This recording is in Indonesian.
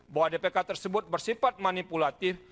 bahwa dpk tersebut bersifat manipulatif